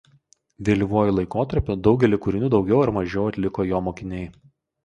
Vėlyvuoju laikotarpiu daugelį kūrinių daugiau ar mažiau atliko jo mokiniai.